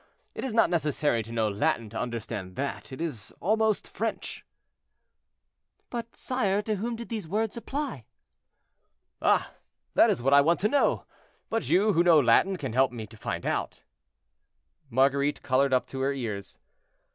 It is not necessary to know Latin to understand that: it is almost French." "But, sire, to whom did these words apply?" "Ah! that is what I want to know, but you, who know Latin, can help me to find out." Marguerite colored up to her ears.